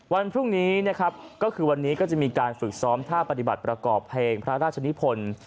วันพรุ่งนี้นะครับก็คือวันนี้ก็จะมีการฝึกซ้อมท่าปฏิบัติประกอบเพลงพระราชนิพล